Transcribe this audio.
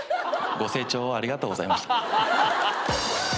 ご清聴ありがとうございました。